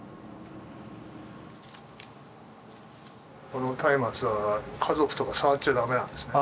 この松明は家族とか触っちゃダメなんですね。